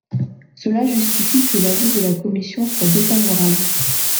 Cela justifie que l’avis de la commission soit défavorable.